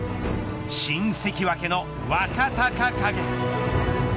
新関脇の若隆景。